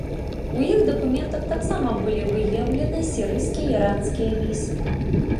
У іх дакументах таксама былі выяўленыя сірыйскія і іранскія візы.